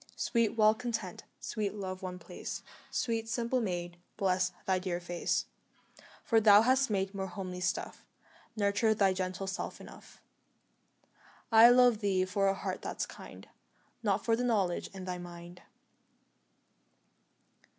Sweet Well content, sweet Love one place, Sweet, simple maid, bless thy dear face; For thou hast made more homely stuff Nurture thy gentle self enough; I love thee for a heart that's kind Not for the knowledge in thy mind.